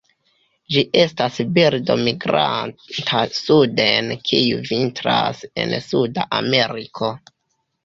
Ĝi estas birdo migranta suden kiu vintras en Suda Ameriko.